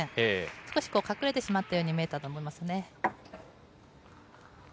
少し隠れてしまったように見えたと思いますね。